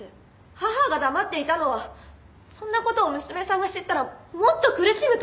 母が黙っていたのはそんな事を娘さんが知ったらもっと苦しむと思ったから！